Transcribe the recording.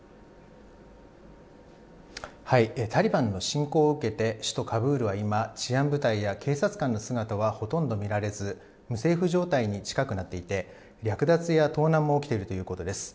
タリバンの侵攻を受けて、首都カブールは今、治安部隊や警察官の姿はほとんど見られず、無政府状態に近くなっていて、略奪や盗難も起きているということです。